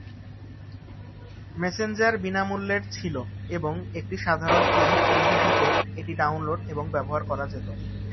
Messenger বিনামূল্যের ছিল এবং একটি সাধারণ "ইয়াহু আইডি" দিতে এটি ডাউনলোড এবং ব্যবহার করা যেত।